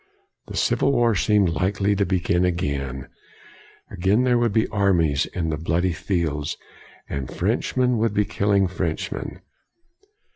The civil war seemed likely to begin again. Again there would be armies in the bloody fields, and Frenchmen would be killing Frenchmen.